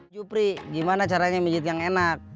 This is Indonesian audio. jepri gimana caranya menjijik yang enak